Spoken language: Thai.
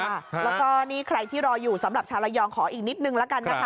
แล้วก็นี่ใครที่รออยู่สำหรับชาวระยองขออีกนิดนึงละกันนะคะ